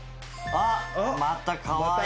あっまたかわいらしい。